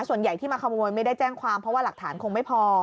ส่วนใหญ่ที่มาขโมยไม่ได้แจ้งความเพราะว่าหลักฐานคงไม่พอ